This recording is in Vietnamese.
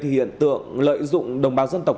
hiện tượng lợi dụng đồng bào dân tộc